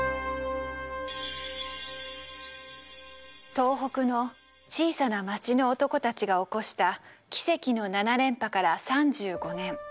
東北の小さな町の男たちが起こした奇跡の７連覇から３５年。